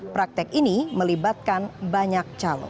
praktek ini melibatkan banyak calon